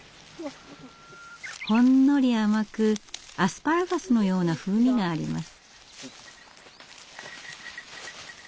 ほんのり甘くアスパラガスのような風味があります。